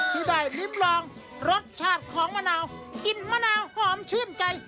ที่ได้ลิ้มลองรสชาติของมะนาวกินมะนาวหอมชื่นใจ